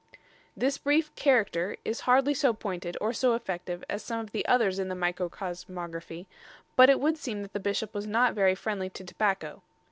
This brief "Character" is hardly so pointed or so effective as some of the others in the "Micro Cosmographie," but it would seem that the Bishop was not very friendly to tobacco.